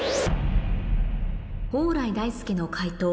蓬莱大介の解答